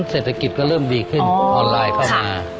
เศรษฐกิจก็เริ่มดีขึ้นออนไลน์เข้ามา